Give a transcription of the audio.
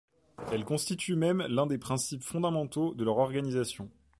Elle constitue même l'un des principes fondamentaux de leur organisation.